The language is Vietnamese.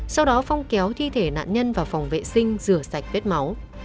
sau đó phong kéo thi thể nạn nhân vào phòng vệ sinh rửa sạch vết máu